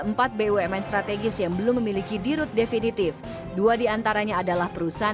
empat bumn strategis yang belum memiliki dirut definitif dua diantaranya adalah perusahaan